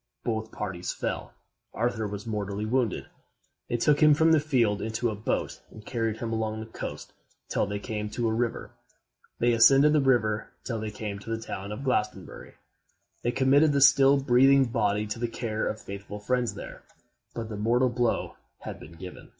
Both parties fell. Arthur was mortally wounded. They took him from the field into a boat, and carried him along the coast till they came to a river. They ascended the river till they came to the town of Glastonbury. They committed the still breathing body to the care of faithful friends there; but the mortal blow had been given.